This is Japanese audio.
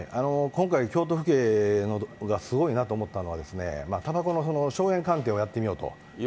今回、京都府警がすごいなと思ったのは、たばこの硝煙鑑定をやってみようと。